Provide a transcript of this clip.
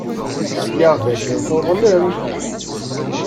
Sliɣ dakken tuḍnem.